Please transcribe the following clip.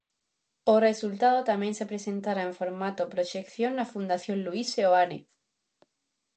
O resultado tamén se presentará en formato proxección na Fundación Luís Seoane.